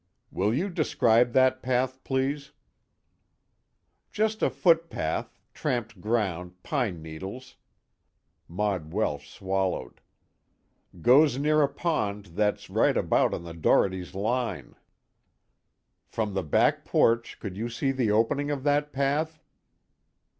"Will you describe that path, please?" "Just a footpath, tramped ground, pine needles." Maud Welsh swallowed. "Goes near a pond that's right about on the Dohertys' line." "From the back porch could you see the opening of that path?"